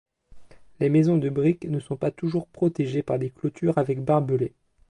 Les maisons de briques ne sont pas toujours protégées par des clôtures avec barbelés.